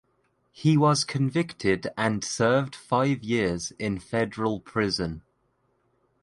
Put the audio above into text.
He was convicted and served five years in federal prison.